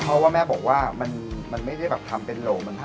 เพราะว่าแม่บอกว่ามันไม่ได้ทำเป็นโลมัน๕โลว่ะ